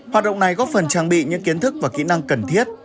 hoạt động này góp phần trang bị những kiến thức và kỹ năng cần thiết